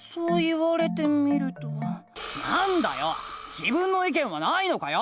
自分の意見はないのかよ！